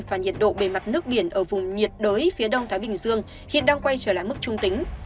và nhiệt độ bề mặt nước biển ở vùng nhiệt đới phía đông thái bình dương hiện đang quay trở lại mức trung tính